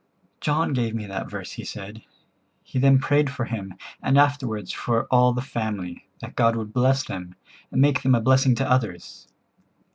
"John gave me that verse," said he. He then prayed for him, and afterwards for all the family, that God would bless them, and make them a blessing to others.